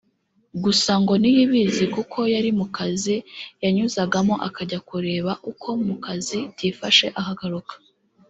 gusa ngo Niyibizi kuko yari mu kazi yanyuzagamo akajya kureba uko mu kazi byifashe akagaruka